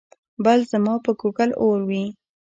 بل ځما په ګوګل اور وي